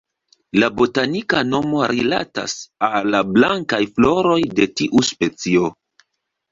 La botanika nomo rilatas al la blankaj floroj de tiu specio.